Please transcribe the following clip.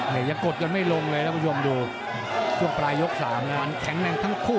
เห็นยังกดกันไม่ลงเลยนะครับผู้ชมดูช่วงปลายยกสามแข็งแรงทั้งคู่